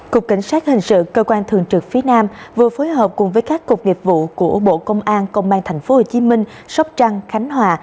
cục cảnh sát hình sự cơ quan thường trực phía nam vừa phối hợp cùng với các cục nghiệp vụ của bộ công an công an tp hcm sóc trăng khánh hòa